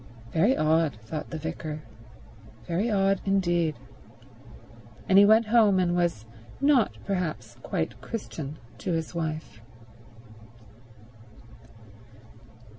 "Very odd," thought the vicar. "Very odd indeed." And he went home and was not perhaps quite Christian to his wife.